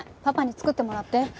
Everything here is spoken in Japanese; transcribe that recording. パパに作ってもらって。